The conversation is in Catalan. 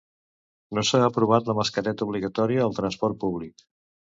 No s'ha aprovat la mascareta obligatòria al transport públic.